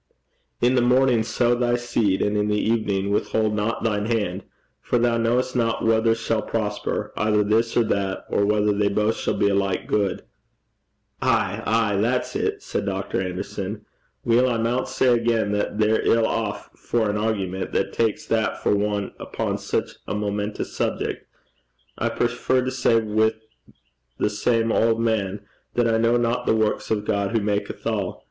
'In the morning sow thy seed, and in the evening withhold not thine hand: for thou knowest not whether shall prosper, either this or that, or whether they both shall be alike good.' 'Ay, ay; that's it,' said Dr. Anderson. 'Weel, I maun say again that they're ill aff for an argument that taks that for ane upo' sic a momentous subjec'. I prefer to say, wi' the same auld man, that I know not the works of God who maketh all.